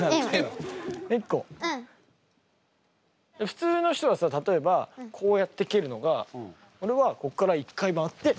普通の人はさ例えばこうやって蹴るのがおれはこっから１回回って。